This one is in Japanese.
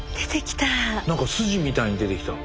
何か筋みたいに出てきた。